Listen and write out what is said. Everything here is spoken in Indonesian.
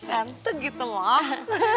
cantik gitu loh